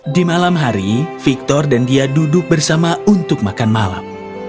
di malam hari victor dan dia duduk bersama untuk makan malam